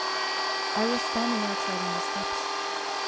I was standing outside on the steps.